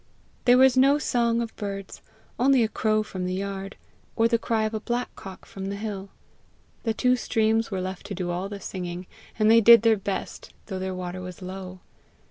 There was no song of birds only a crow from the yard, or the cry of a blackcock from the hill; the two streams were left to do all the singing, and they did their best, though their water was low.